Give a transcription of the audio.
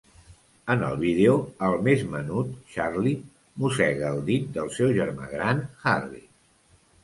En el vídeo, el més menut, Charlie, mossega el dit del seu germà gran, Harry.